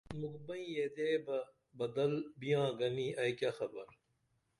مُکھ بئیں یدے بہ بدل بِیاں گنی ائی کیہ خبر